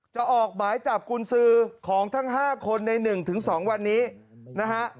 ออกหมายจับกุญสือของทั้ง๕คนใน๑๒วันนี้นะฮะ